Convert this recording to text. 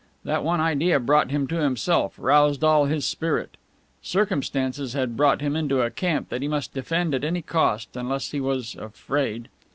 That one idea brought him to himself, roused all his spirit. Circumstances had brought him into a camp that he must defend at any cost, unless he was afraid!